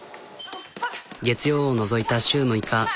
月曜を除いた週６日